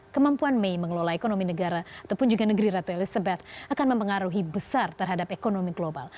kemampuan mei mengelola ekonomi negara ataupun juga negeri ratu elizabeth akan mempengaruhi besar terhadap ekonomi global